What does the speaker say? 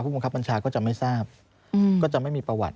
บังคับบัญชาก็จะไม่ทราบก็จะไม่มีประวัติ